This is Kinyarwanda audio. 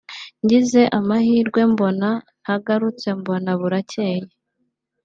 ngize amahirwe mbona ntagarutse mbona burakeye